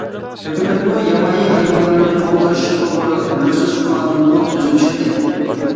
ھۆكۈمەتمۇ ياۋايى ھايۋانلارنى قوغداش توغرىلىق مەخسۇس قانۇنمۇ تۈزۈپ چىقتى.